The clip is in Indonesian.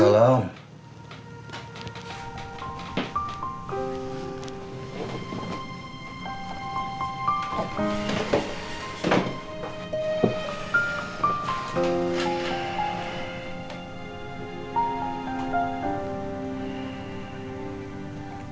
heros dibiayai semua